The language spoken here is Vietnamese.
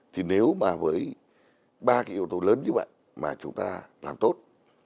thì nếu mà với ba cái yếu tố lớn như vậy mà chúng ta làm tốt